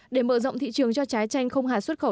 để mở rộng thị trường cho trái chanh không hà xuất khẩu